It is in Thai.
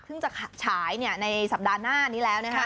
ซึ่งจะขาดฉายในสัปดาห์หน้านี้แล้ว